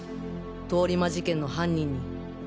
通り魔事件の犯人に。